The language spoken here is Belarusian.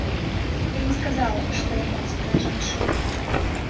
Я не сказала б, што я моцная жанчына.